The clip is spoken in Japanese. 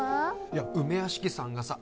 いや梅屋敷さんがさ